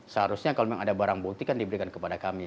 seharusnya kalau memang ada barang bukti kan diberikan kepada kami